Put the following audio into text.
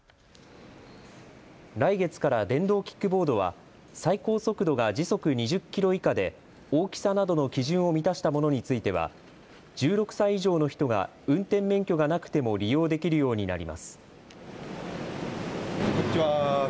来月から電動キックボードは最高速度が時速２０キロ以下で大きさなどの基準を満たしたものについては１６歳以上の人が運転免許がなくても利用できるようになります。